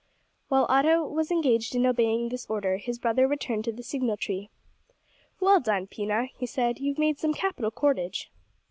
While Otto was engaged in obeying this order, his brother returned to the signal tree. "Well done, Pina," he said; "you've made some capital cordage."